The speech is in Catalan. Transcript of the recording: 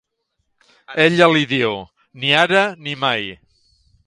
Ella li diu: "Ni ara ni mai".